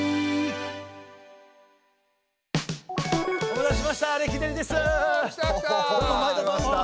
お待たせしました。